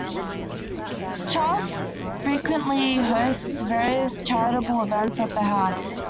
Charles frequently hosts various charitable events at the house.